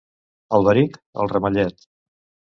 Alberic, el ramellet.